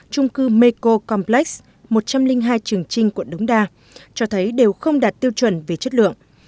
trung cư meko complex một trăm linh hai trường trinh quận đống đa cho thấy đều không đạt tiêu chuẩn về chất lượng